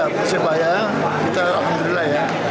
persebaya kita alhamdulillah ya